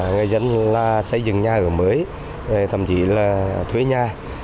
người dân xây dựng nhà ở mới thậm chí là thuế nhà